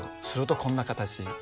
するとこんな形。